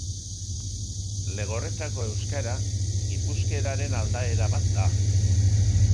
Legorretako euskara gipuzkeraren aldaera bat da.